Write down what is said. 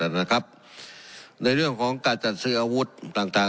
นะครับในเรื่องของการจัดซื้ออาวุธต่างต่าง